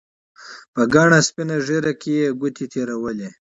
په گڼه سپينه ږيره کښې يې گوتې تېرولې.